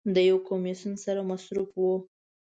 د یو کمیسون سره مصروف و.